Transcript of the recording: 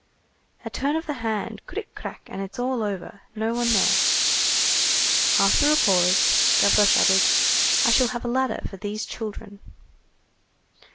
"A turn of the hand, cric, crac, and it's all over, no one there." After a pause, Gavroche added:— "I shall have a ladder for these children."